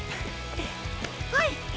はい！